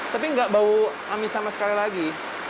tapi nggak bau amis sama sekali lagi